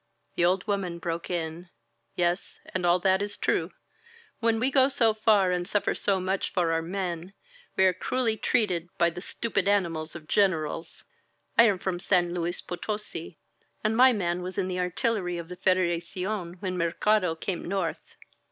The old woman broke in : "Yes, and all that is true. When we go so far and suffer so much for our men, we are cruelly treated by the stupid animals of Gren erals. I am from San Luis Potosi, and my man was in the artillery of the Federacion when Mercado came north.